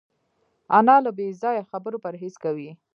انا له بېځایه خبرو پرهېز کوي